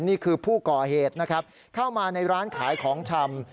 นี่คือผู้ก่อเหตุนะครับเข้ามาในร้านขายของชำ